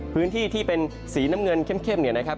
พื้นที่ที่เป็นสีน้ำเงินเข้มเนี่ยนะครับ